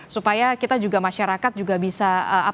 supaya kita juga masyarakat juga bisa